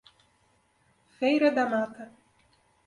Feira da Mata